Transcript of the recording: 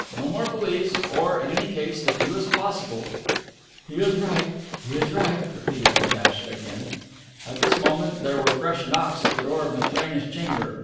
No more police, or, in any case, the fewest possible." "He is right, he is right," repeated Natacha again. At this moment there were fresh knocks at the door of Matrena's chamber.